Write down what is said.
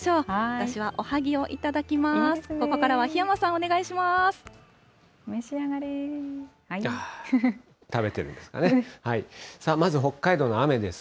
私はおはぎを頂きます。